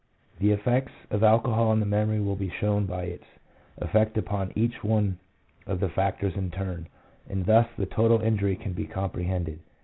The effects of alcohol on the memory will be shown by its effect upon each one of the factors in turn, and thus the total injury can be comprehended.